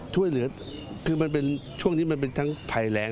ช่วยเหลือคือมันเป็นช่วงนี้มันเป็นทั้งภัยแรง